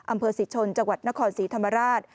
อำเภอศรีชนจังหวัดนครศรีธรรมราช